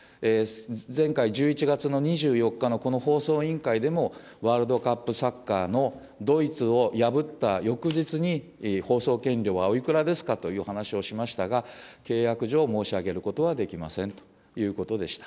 前回、１１月の２４日のこの放送委員会でも、ワールドカップサッカーのドイツを破った翌日に、放送権料はおいくらですかという話をしましたが、契約上申し上げることはできませんということでした。